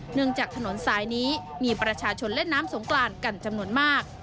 จากถนนสายนี้มีประชาชนเล่นน้ำสงกรานกันจำนวนมาก